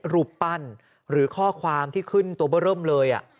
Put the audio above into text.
รูปปั้นหรือข้อความที่ขึ้นตัวเบอร์เริ่มเลย